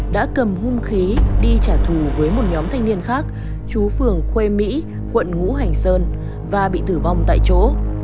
đã cầm hung khí đi trả thù với một nhóm thanh niên khác chú phường khuê mỹ quận ngũ hành sơn và bị tử vong tại chỗ